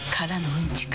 うんちく。